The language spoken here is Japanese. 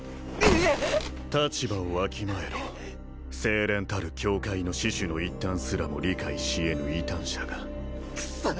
立場をわきまえろ清廉たる教会の志趣の一端すらも理解し得ぬ異端者がクソッ！